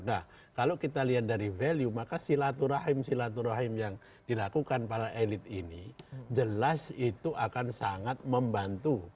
nah kalau kita lihat dari value maka silaturahim silaturahim yang dilakukan para elit ini jelas itu akan sangat membantu